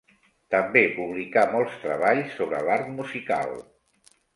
També publicà molts treballs sobre l'art musical.